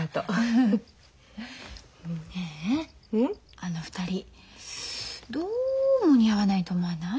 あの二人どうも似合わないと思わない？